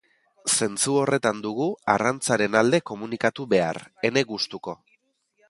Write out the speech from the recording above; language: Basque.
Zentzu horretan dugu arrantzaren alde komunikatu behar, ene gustuko.